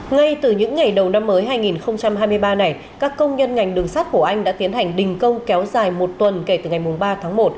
ngay từ những ngày đầu năm mới hai nghìn hai mươi ba này các công nhân ngành đường sắt của anh đã tiến hành đình công kéo dài một tuần kể từ ngày ba tháng một